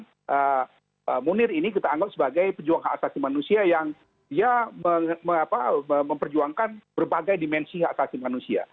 dan munir ini kita anggap sebagai pejuang hak asasi manusia yang memperjuangkan berbagai dimensi hak asasi manusia